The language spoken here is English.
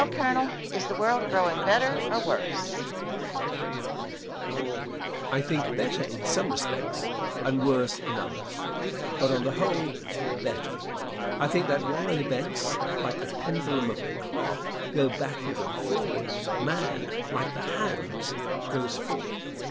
Question. Well, Colonel, is the world growing better or worse? Answer. I think better in some respects and worse in others; but on the whole, better. I think that while events, like the pendulum of a clock, go backward and forward, man, like the hands, goes forward.